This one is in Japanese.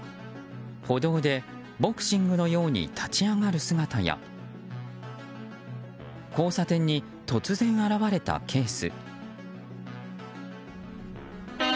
歩道でボクシングのように立ち上がる姿や交差点に突然現れたケース。